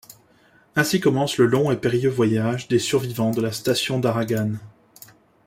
Ainsi commence le long et périlleux voyage des survivants de la station d'Aragane.